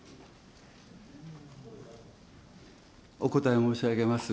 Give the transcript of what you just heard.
お答えを申し上げます。